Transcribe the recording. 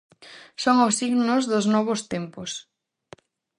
Son os signos dos novos tempos.